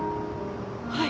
はい。